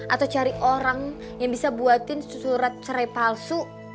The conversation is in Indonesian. atau cari orang yang bisa buatin surat cerai palsu